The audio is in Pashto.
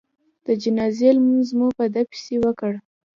د جنازې لمونځ مو په ده پسې وکړ.